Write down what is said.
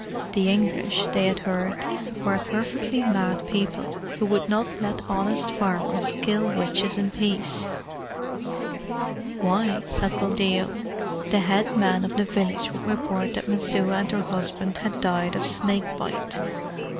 The English, they had heard, were a perfectly mad people, who would not let honest farmers kill witches in peace. Why, said Buldeo, the head man of the village would report that Messua and her husband had died of snake bite.